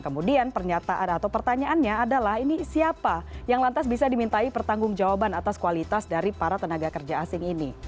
kemudian pernyataan atau pertanyaannya adalah ini siapa yang lantas bisa dimintai pertanggung jawaban atas kualitas dari para tenaga kerja asing ini